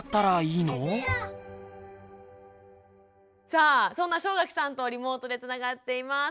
さあそんな正垣さんとリモートでつながっています。